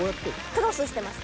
クロスしてます。